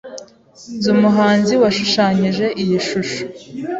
Nzi umuhanzi washushanyije iyi shusho.